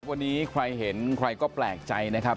วันนี้ใครเห็นใครก็แปลกใจนะครับ